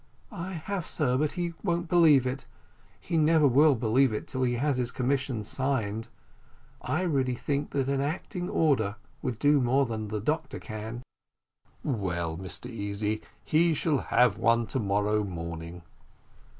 "I have, sir, but he won't believe it. He never will believe it till he has his commission signed. I really think that an acting order would do more than the doctor can." "Well, Mr Easy, he shall have one to morrow morning.